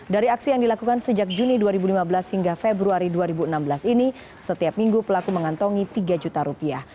dari aksi yang dilakukan sejak juni dua ribu lima belas hingga februari dua ribu enam belas ini setiap minggu pelaku mengantongi tiga juta rupiah